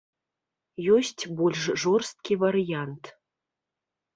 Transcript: Ёсць больш жорсткі варыянт.